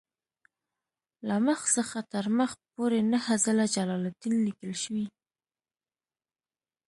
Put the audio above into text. له مخ څخه تر مخ پورې نهه ځله جلالدین لیکل شوی.